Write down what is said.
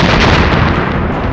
itu hanyalah bebas tuhan